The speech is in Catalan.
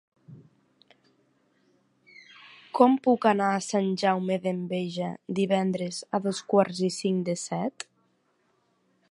Com puc anar a Sant Jaume d'Enveja divendres a dos quarts i cinc de set?